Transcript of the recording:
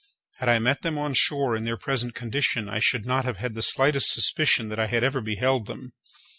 Had I met them on shore in their present condition I should not have had the slightest suspicion that I had ever beheld them.